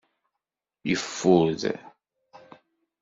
Yeffud.